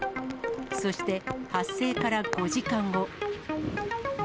そして、発生から５時間後。